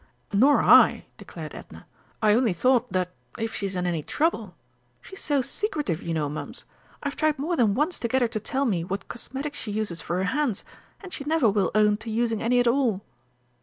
"Nor I," declared Edna. "I only thought that if she is in any trouble She's so secretive, you know, Mums. I've tried more than once to get her to tell me what cosmetic she uses for her hands and she never will own to using any at all!"